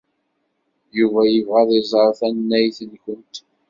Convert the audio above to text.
Yuba yebɣa ad iẓer tannayt-nwent.